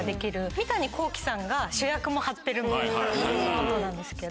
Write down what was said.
三谷幸喜さんが主役も張ってるみたいなことなんですけど。